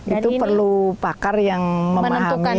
itu perlu pakar yang memahami